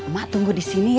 mak tunggu di sini